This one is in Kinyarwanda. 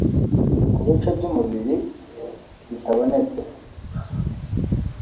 Ku bice by’umubiri bitabonetse